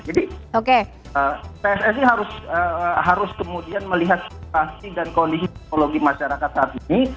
jadi pssi harus kemudian melihat situasi dan kondisi psikologi masyarakat saat ini